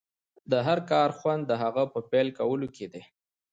د هر کار خوند د هغه په پيل کولو کې دی.